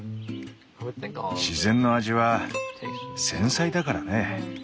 自然の味は繊細だからね。